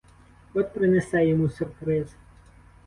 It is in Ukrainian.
От принесе йому сюрприз!